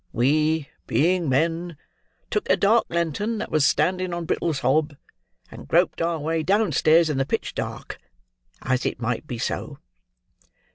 We, being men, took a dark lantern that was standing on Brittle's hob, and groped our way downstairs in the pitch dark,—as it might be so."